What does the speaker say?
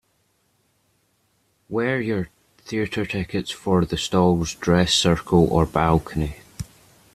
Were your theatre tickets for the stalls, dress circle or balcony?